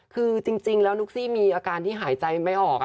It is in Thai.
คือจริงแล้วนุ๊กซี่มีอาการที่หายใจไม่ออก